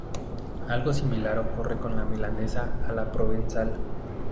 Algo similar ocurre con la milanesa a la provenzal.